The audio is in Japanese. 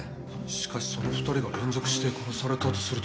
しかしその２人が連続して殺されたとすると。